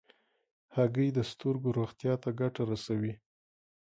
هګۍ د سترګو روغتیا ته ګټه رسوي.